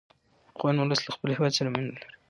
افغان ولس له خپل هېواد سره مینه لري.